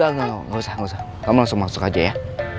nggak nggak nggak usah kamu langsung masuk aja ya